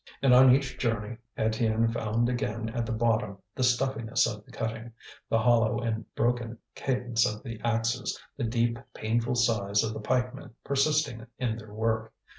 And on each journey Étienne found again at the bottom the stuffiness of the cutting, the hollow and broken cadence of the axes, the deep painful sighs of the pikemen persisting in their work.